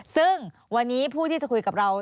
ซึ่งวันนี้ผู้ที่จะคุยกับเรา